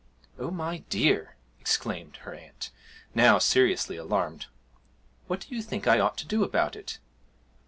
'Oh, my dear!' exclaimed her aunt, now seriously alarmed. 'What do you think I ought to do about it?'